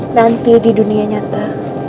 nanti di dunia nyata